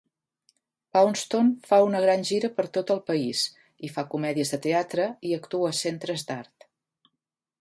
Poundstone fa una gran gira per tot el país, i fa comèdies de teatre i actua a centres d'art.